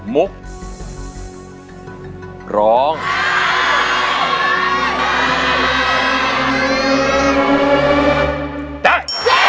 มุกร้องได้